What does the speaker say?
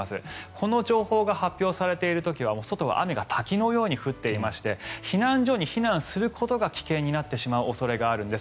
この情報が発表されている時は外は滝のように雨が降っていまして避難所に避難することが危険になってしまう恐れがあるんです。